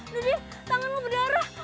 dudie tangan lu berdarah